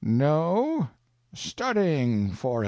"No studying for it."